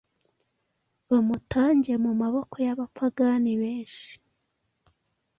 bamutange mu maboko y’abapagani benshi